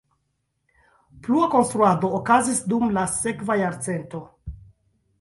Plua konstruado okazis dum la sekva jarcento.